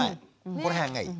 この辺がいい。